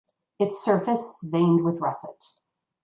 Its surface is veined with russet.